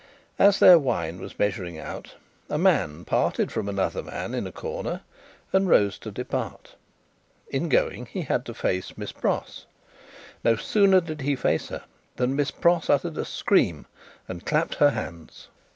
As their wine was measuring out, a man parted from another man in a corner, and rose to depart. In going, he had to face Miss Pross. No sooner did he face her, than Miss Pross uttered a scream, and clapped her hands.